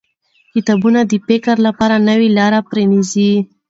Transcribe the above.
کتابونه د فکر لپاره نوې لارې پرانیزي